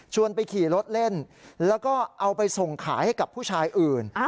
ไปขี่รถเล่นแล้วก็เอาไปส่งขายให้กับผู้ชายอื่น